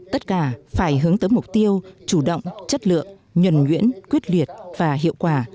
tất cả phải hướng tới mục tiêu chủ động chất lượng nhuẩn nhuyễn quyết liệt và hiệu quả